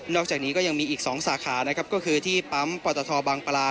อกจากนี้ก็ยังมีอีก๒สาขานะครับก็คือที่ปั๊มปตทบางปลา